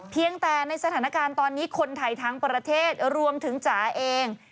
เพียงแต่ในสถานการณ์ตอนนี้คนไทยทั้งประเทศรวมถึงจ๋าเอง